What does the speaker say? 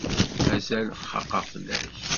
Mazal xaqeɣ fell-ak.